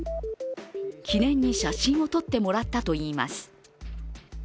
記念に写真を撮ってもらったといいます。